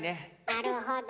なるほど。